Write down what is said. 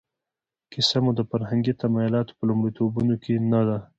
کیسه مو د فرهنګي تمایلاتو په لومړیتوبونو کې نه ده.